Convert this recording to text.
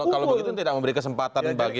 kalau begitu tidak memberi kesempatan bagi